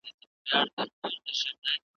او له مځکي خړ ګردونه بادېدله .